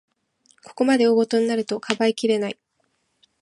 ここまで大ごとになると、かばいきれない